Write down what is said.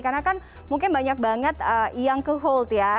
karena kan mungkin banyak banget yang ke hold ya